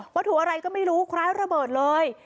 ถุอะไรก็ไม่รู้คล้ายระเบิดเลย